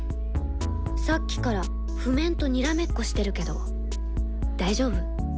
さっきから譜面とにらめっこしてるけど大丈夫？